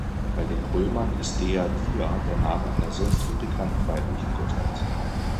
Bei den Römern ist Dea Dia der Name einer sonst unbekannten weiblichen Gottheit.